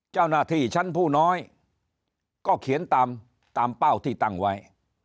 เจ้าหน้าที่ชั้นผู้น้อยก็เขียนตามเป้าที่ตั้งไว้